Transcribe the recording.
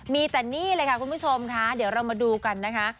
มีแต่นี่เลยค่ะคุณผู้ชมค่ะเดี๋ยวเรามาดูกันนะคะ